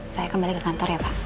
saya kembali ke kantor ya pak